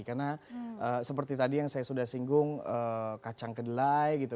karena seperti tadi yang saya sudah singgung kacang kedelai gitu